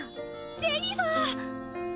ジェニファー！